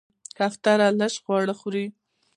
کوتره لږ خواړه خوري.